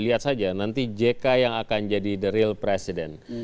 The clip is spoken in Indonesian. lihat saja nanti jk yang akan jadi the real presiden